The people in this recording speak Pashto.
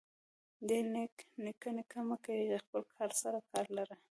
ډير نيکه نيکه مه کيږه خپل کار سره کار لره.